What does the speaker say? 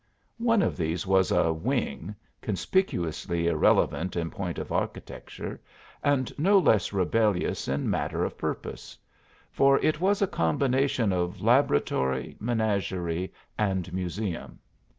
One of these was a "wing," conspicuously irrelevant in point of architecture, and no less rebellious in matter of purpose; for it was a combination of laboratory, menagerie and museum.